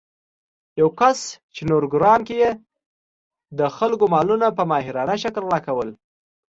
یو کس چې نورګرام کې يې د خلکو مالونه په ماهرانه شکل غلا کول